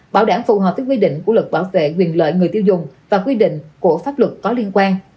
bảo đảm phù hợp với quy định của luật bảo vệ quyền lợi người tiêu dùng và quy định của pháp luật có liên quan